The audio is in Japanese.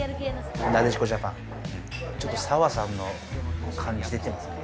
なでしこジャパン、ちょっと澤さんの感じ、でてますね。